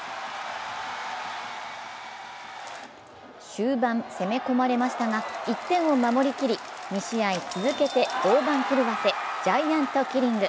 終盤、攻め込まれましたが、１点を守りきり２試合続けて大番狂わせ、ジャイアントキリング。